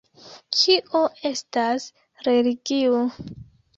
Kio estas religio?